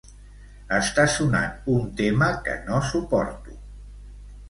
Està sonant un tema que no suporto.